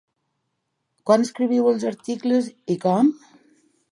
Quan escriviu els articles i com?